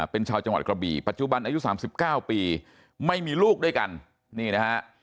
เป็นชาวจังหวัดกระบี่ปัจจุบันอายุ๓๙ปีไม่มีลูกด้วยกันนี่นะฮะ